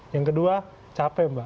yang kedua capek mbak